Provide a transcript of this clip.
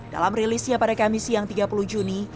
dalam rilisnya pada kamis siang tiga puluh juni